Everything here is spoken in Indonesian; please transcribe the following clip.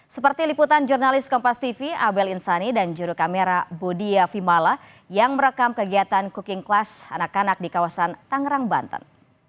seperti liputan jurnalis kompas tv abel insani dan juru kamera bodia vimala yang merekam kegiatan cooking class anak anak di kawasan tangerang banten